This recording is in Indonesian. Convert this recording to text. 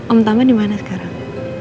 om tama dimana sekarang